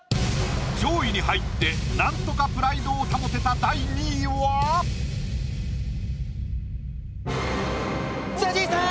上位に入ってなんとかプライドを保てたＺＡＺＹさん！